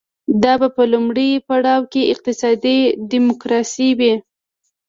دا به په لومړي پړاو کې اقتصادي ډیموکراسي وي